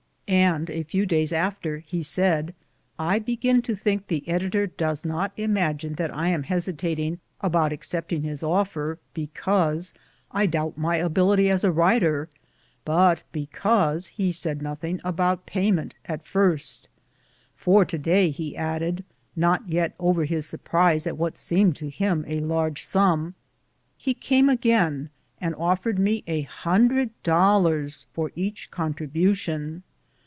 And a few days after he said, " I begin to think the editor does not imagine that I am hesitating about accepting his offer because I doubt my ability as a writer, but because he said nothing about payment at first ; for to day," he added, not yet over his surprise at what seemed to him a large sum, "he came again and offered me a hundred dollars for each contribu tion."